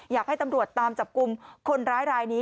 อยากให้ตำรวจตามจับกลุ่มคนร้ายรายนี้